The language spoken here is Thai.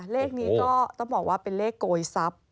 เลขนี้ก็ต้องบอกว่าเป็นเลขโกยทรัพย์